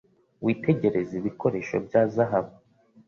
Witegereze ibikoresho bya zahabu